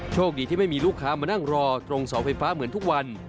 โชคดีที่ไม่มีลูกค้ามานั่งรอตรงเสาไฟฟ้าเหมือนทุกวัน